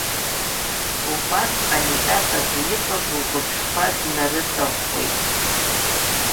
Убасҟан итатаӡа иҟаз лгәыԥҳәқәа днарыҵаӷәӷәеит.